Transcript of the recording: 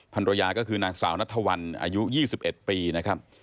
ภรรยาก็คือนางสาวนัทวันอายุ๒๑ปีนะครับ